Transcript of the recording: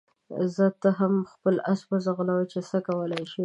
ځه ته هم خپل اس وځغلوه چې څه کولای شې.